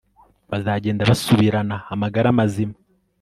bazagenda basubirana amagara mazima